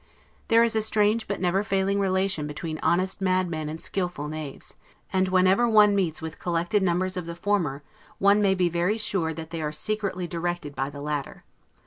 There is a strange but never failing relation between honest madmen and skillful knaves; and whenever one meets with collected numbers of the former, one may be very sure that they are secretly directed by the latter.